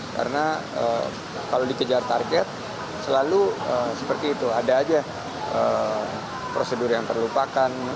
karena kalau dikejar target selalu seperti itu ada aja prosedur yang terlupakan